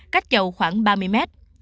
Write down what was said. cách chầu khoảng ba mươi mét